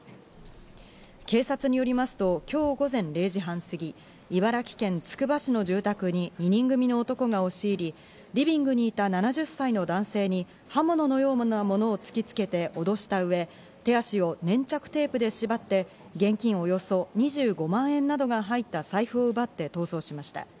警察によりますと、今日午前０時半過ぎ、茨城県つくば市の住宅に２人組の男が押し入り、リビングにいた７０歳の男性に刃物のようなものを突きつけて脅した上、手足を粘着テープで縛って、現金およそ２５万円などが入った財布を奪って逃走しました。